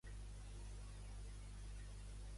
Per quin motiu Catalunya es va quedar enrere?